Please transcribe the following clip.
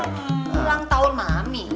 ini ulang tahun mami